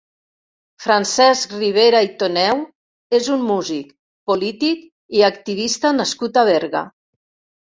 Francesc Ribera i Toneu és un músic, polític i activista nascut a Berga.